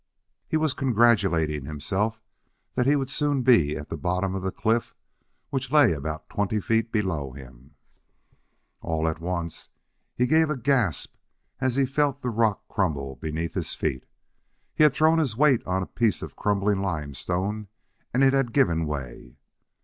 He was congratulating himself that he would soon be at the bottom of the cliff, which lay about twenty feet below him. All at once he gave a gasp as he felt the rock crumble beneath his feet. He had thrown his weight on a piece of crumbling limestone and it had given way.